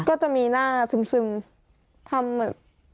ก็จะมีหน้าซึมทำเหมือน